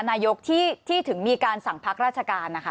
นายกที่ถึงมีการสั่งพักราชการนะคะ